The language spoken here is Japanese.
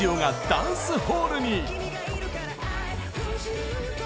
『ダンスホール』